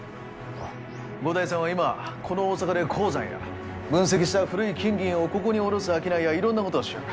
五代さんは今この大阪で鉱山や分析した古い金銀をここにおろす商いやいろんなことをしよる。